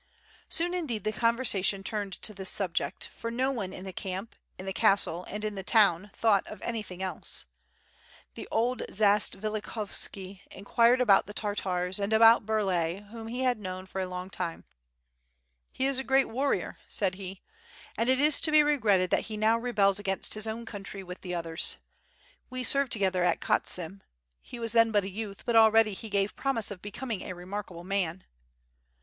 Soon indeed the conversation turned to this subject, for WITH FIRE AND SWORD, 687 no one in the camp, in the castle, and in the town, thought of anything else. Then old Zatsvilikhovski enquired about the Tartars and about Burlay whom he had known for a long time. He is a great warrior," said he, "and it is to be regretted that he now rebels against his own country with the others. We served together at Khotsim, he was then but a youth but already he gave promise of becoming a remarkable man."